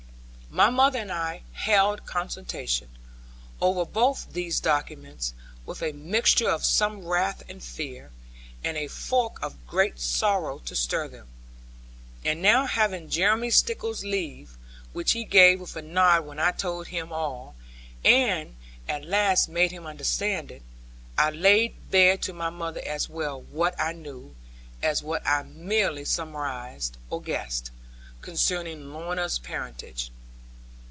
My mother and I held consultation, over both these documents, with a mixture of some wrath and fear, and a fork of great sorrow to stir them. And now having Jeremy Stickles's leave, which he gave with a nod when I told him all, and at last made him understand it, I laid bare to my mother as well what I knew, as what I merely surmised, or guessed, concerning Lorna's parentage.